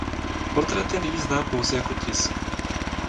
Portrét je nyní znám pouze jako tisk.